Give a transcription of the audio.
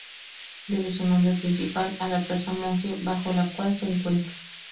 Debe su nombre principal a la Plaza Monge bajo la cual se encuentra.